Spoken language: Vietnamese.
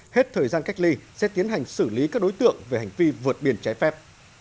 hết thời gian cách ly sẽ tiến hành xử lý các đối tượng về hành vi vượt biên trái phép